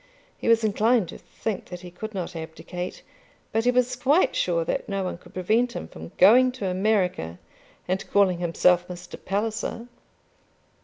He was inclined to think that he could not abdicate, but he was quite sure that no one could prevent him from going to America and calling himself Mr. Palliser.